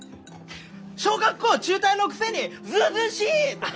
「小学校中退のくせにずうずうしい！」とか。